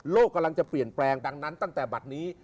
กำลังจะเปลี่ยนแปลงดังนั้นตั้งแต่บัตรนี้